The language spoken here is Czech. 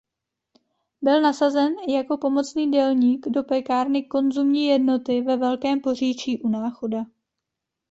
Byl nasazen jako pomocný dělník do pekárny Konzumní jednoty ve Velkém Poříčí u Náchoda.